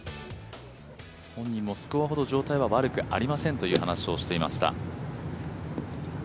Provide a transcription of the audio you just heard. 本人もスコアほど状態は悪くありませんと話していました。